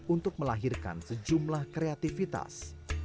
untuk melahirkan sejumlah kreativitas